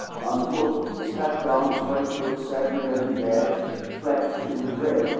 On foot, his hat gone, his white coat sadly rent and gashed, flecked, too, with red, M.